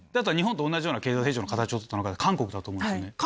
日本と同じような経済成長をたどったのが韓国だと思うんですね。